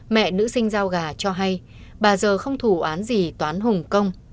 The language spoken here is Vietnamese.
mẹ nữ sinh giao gà cho hay bà giờ không thủ án gì toán hùng công